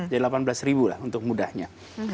jadi delapan belas lah untuk mudahnya